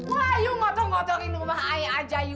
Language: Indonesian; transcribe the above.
wah iu ngotong ngotongin rumah ayah aja iu